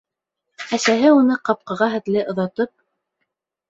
Әсәһе, уны ҡапҡаға хәтле оҙатып: